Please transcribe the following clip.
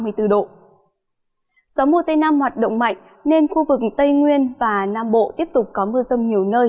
gió mùa tây nam hoạt động mạnh nên khu vực tây nguyên và nam bộ tiếp tục có mưa rông nhiều nơi